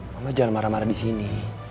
mama jangan marah marah disini